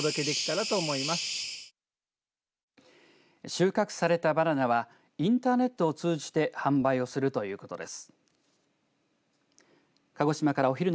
収穫されたバナナはインターネットを通じて販売をするということです。